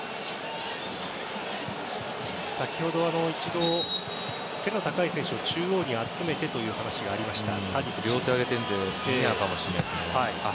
先ほど一度、背が高い選手を中央に集めてという話がありました。